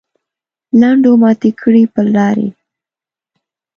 لنډو ماتې کړې پر لارې.